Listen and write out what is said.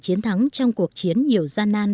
chiến thắng trong cuộc chiến nhiều gian nan